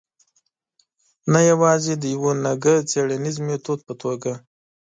نه یوازې د یوه نګه څېړنیز میتود په توګه.